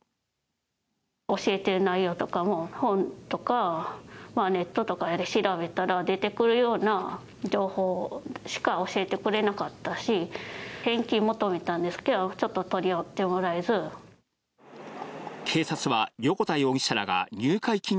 教えている内容とかも本とかネットとかで調べたら、出てくるような情報しか教えてくれなかったし、返金求めたんですけれども、ちょっと取り合ってもらえず。